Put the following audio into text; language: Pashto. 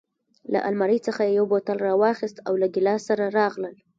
له المارۍ څخه یې یو بوتل راواخیست او له ګیلاس سره راغلل.